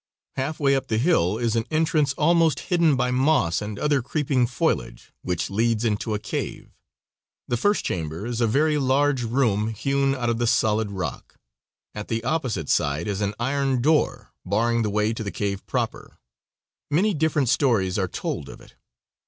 Half way up the hill is an entrance, almost hidden by moss and other creeping foliage, which leads into a cave. The first chamber is a very large room hewn out of the solid rock. At the opposite side is an iron door, barring the way to the cave proper. Many different stories are told of it.